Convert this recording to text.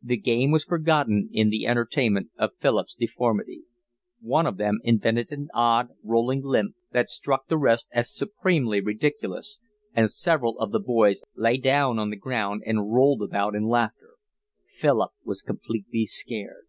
The game was forgotten in the entertainment of Philip's deformity. One of them invented an odd, rolling limp that struck the rest as supremely ridiculous, and several of the boys lay down on the ground and rolled about in laughter: Philip was completely scared.